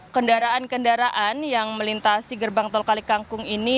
kendaraan kendaraan yang melintasi gerbang tol kalikangkung ini